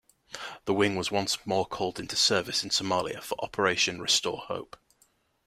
The wing was once more called into service in Somalia for Operation Restore Hope.